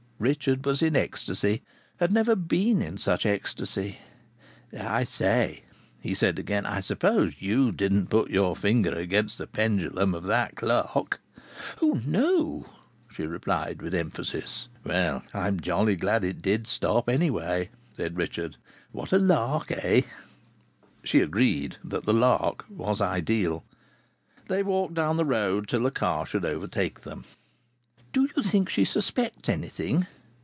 Richard was in ecstasy; had never been in such ecstasy. "I say," he said again. "I suppose you didn't put your finger against the pendulum of that clock?" "Oh, no!" she replied with emphasis. "Well, I'm jolly glad it did stop, anyway," said Richard. "What a lark, eh?" She agreed that the lark was ideal. They walked down the road till a car should overtake them. "Do you think she suspects anything?"